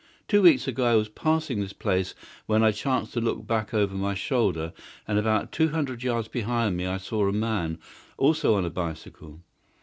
Two weeks ago I was passing this place when I chanced to look back over my shoulder, and about two hundred yards behind me I saw a man, also on a bicycle.